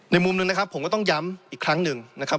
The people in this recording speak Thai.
มุมหนึ่งนะครับผมก็ต้องย้ำอีกครั้งหนึ่งนะครับ